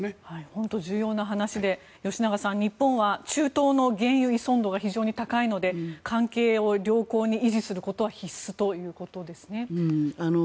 本当に重要な話で吉永さん、日本は中東の原油依存度が非常に高いので関係を良好に維持することは必須ということですね。